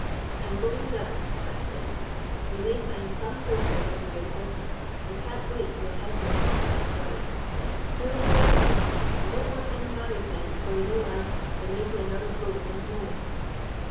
"I am going down," Jack said; "we may find some poor fellows near the bottom, and can't wait till a head man comes on the ground. Who will go with me? I don't want any married men, for you know, lads, there may be another blow at any moment."